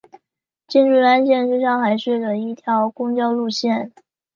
金祝专线是上海市的一条公交路线。